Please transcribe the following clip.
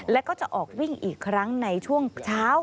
แล้วก็จะออกวิ่งอีกครั้งในช่วงเช้า